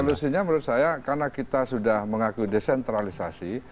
solusinya menurut saya karena kita sudah mengakui desentralisasi